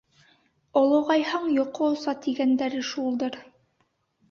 Олоғайһаң йоҡо оса тигәндәре шулдыр.